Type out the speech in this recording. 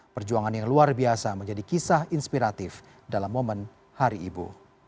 perjuangan yang luar biasa menjadi kisah inspiratif dalam momen hari ibu